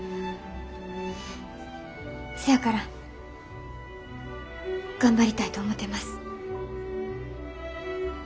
せやから頑張りたいと思てます。